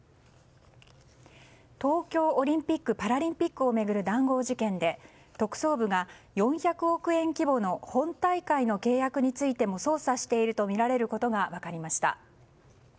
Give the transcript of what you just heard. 東京オリンピック・パラリンピックを巡る談合事件で特捜部が４００億円規模の本大会の契約についても捜査しているとみられることが分かりました。